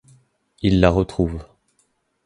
Il la retrouve.